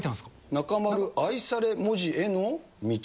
中丸愛され文字への道。